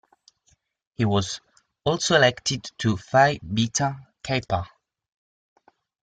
He was also elected to Phi Beta Kappa.